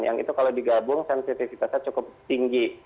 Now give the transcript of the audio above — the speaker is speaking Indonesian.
yang itu kalau digabung sensitivitasnya cukup tinggi